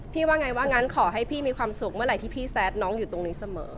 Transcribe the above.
ว่าไงว่างั้นขอให้พี่มีความสุขเมื่อไหร่ที่พี่แซดน้องอยู่ตรงนี้เสมอ